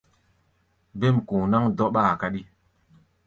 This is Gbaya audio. Ɓêm ku̧u̧ náŋ dɔ́ɓáa káɗí.